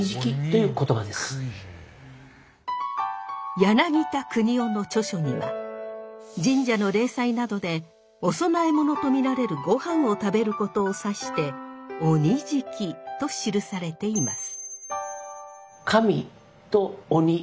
柳田國男の著書には神社の例祭などでお供え物と見られるごはんを食べることを指して鬼喰と記されています。